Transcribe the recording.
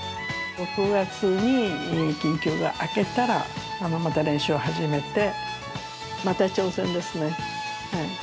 ６月に緊急が明けたら、また練習を始めて、また挑戦ですね。